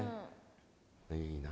いいな。